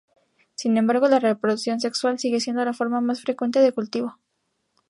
Sin embargo, la reproducción sexual sigue siendo la forma más frecuente de cultivo.